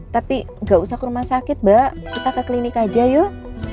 tapi gak usah ke rumah sakit mbak kita ke klinik aja yuk